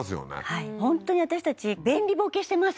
はい本当に私たち便利ボケしてます